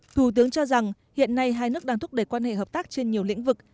thủ tướng cho rằng hiện nay hai nước đang thúc đẩy quan hệ hợp tác trên nhiều lĩnh vực